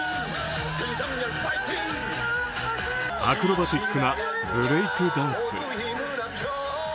アクロバティックなブレイクダンス。